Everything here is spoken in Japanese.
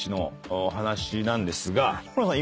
仁村さん